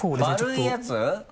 丸いやつ？